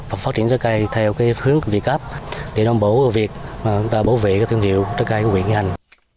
và phát triển trái cây theo cái hướng vị cấp để đồng bộ việc chúng ta bảo vệ cái thương hiệu trái cây của huyện nghĩa hành